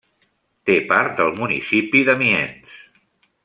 Té part del municipi d'Amiens.